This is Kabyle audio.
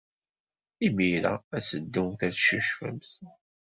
Imir-a ad teddumt ad teccucfemt.